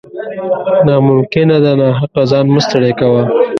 نا ممکنه ده ، ناحقه ځان مه ستړی کوه